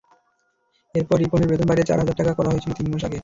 এরপর রিপনের বেতন বাড়িয়ে চার হাজার টাকা করা হয়েছিল তিন মাস আগে।